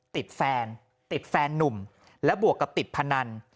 ติดแฟนติดแฟนนุ่มและบวกกับติดพนัน